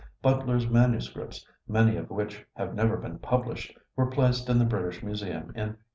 Butler's manuscripts, many of which have never been published, were placed in the British Museum in 1885.